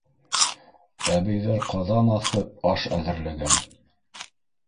Әбейҙәр ҡаҙан аҫып, аш әҙерләгән.